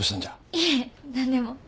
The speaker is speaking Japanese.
いえ何でも。